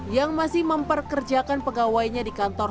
yang masih memperkerjakan pegawainya di kantor